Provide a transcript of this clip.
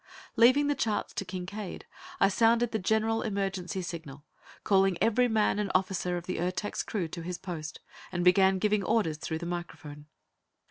Leaving the charts to Kincaide, I sounded the general emergency signal, calling every man and officer of the Ertak's crew to his post, and began giving orders through the microphone.